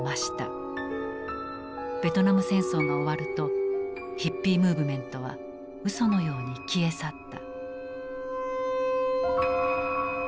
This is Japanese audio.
ベトナム戦争が終わるとヒッピー・ムーブメントはうそのように消え去った。